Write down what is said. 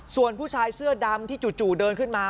ส่วนผู้ชายเสื้อดำที่จู่เดินขึ้นมา